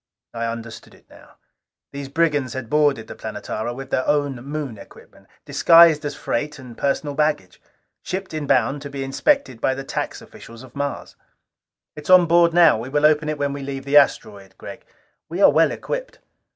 '" I understood it now. These brigands had boarded the Planetara with their own Moon equipment, disguised as freight and personal baggage. Shipped in bond, to be inspected by the tax officials of Mars. "It is on board now. We will open it when we leave the asteroid, Gregg. We are well equipped."